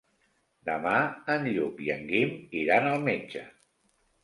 Demà en Lluc i en Guim iran al metge.